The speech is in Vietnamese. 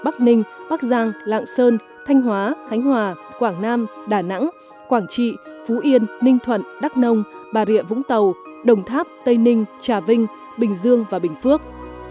bắc ninh bắc giang lạng sơn thanh hóa khánh hòa quảng nam đà nẵng quảng trị phú yên ninh thuận đắk nông bà rịa vũng tàu đồng tháp tây ninh trà vinh bình dương và bình phước